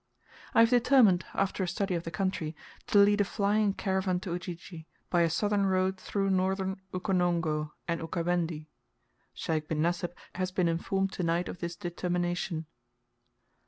I have determined, after a study of the country, to lead a flying caravan to Ujiji, by a southern road through northern Ukonongo and Ukawendi. Sheikh bin Nasib has been informed to night of this determination.